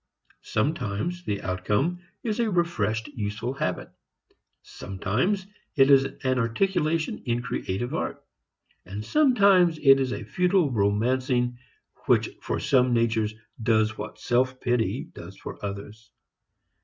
Sometimes the outcome is a refreshed useful habit; sometimes it is an articulation in creative art; and sometimes it is a futile romancing which for some natures does what self pity does for others.